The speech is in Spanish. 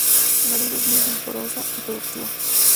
La vid es muy vigorosa y productiva.